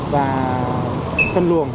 và phân luồng